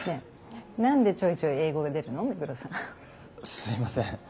すいません。